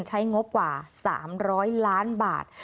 งบกว่า๓๐๐ล้านบาท